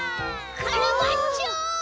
カラバッチョ！